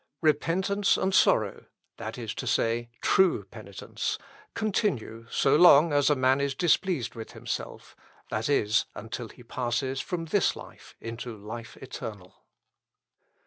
"Repentance and sorrow that is to say, true penitence continue so long as a man is displeased with himself that is, until he passes from this life into life eternal.